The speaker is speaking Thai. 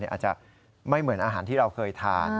อาจจะไม่เหมือนอาหารที่เราเคยทาน